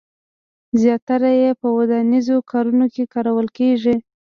زیاتره یې په ودانیزو کارونو کې کارول کېږي.